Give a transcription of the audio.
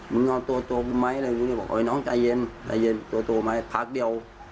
มึงเอาตัวไหมอะไรอย่างนี้บอกน้องใจเย็นตัวไหมพักเดียว